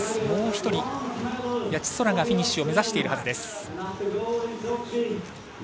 もう１人、谷地宙がフィニッシュを目指しているはずです。